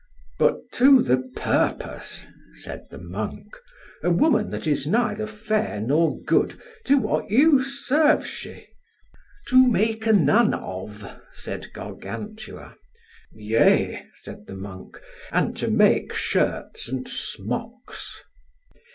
But to the purpose, said the monk. A woman that is neither fair nor good, to what use serves she? To make a nun of, said Gargantua. Yea, said the monk, and to make shirts and smocks.